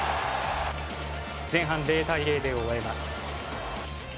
前半０対０で終えます。